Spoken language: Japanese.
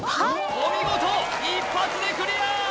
お見事一発でクリア！